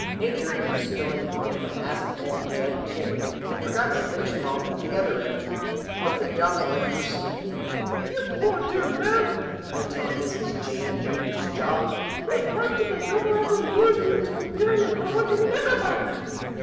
Nature, in bestowing upon him a massive head and a jutting chin, had forgotten to finish him off at the other end. Vincent Jopp's legs were skinny. "You poor dear man!" went on Mrs. Jane Jukes Jopp. "What practical joker ever lured you into appearing in public in knickerbockers?"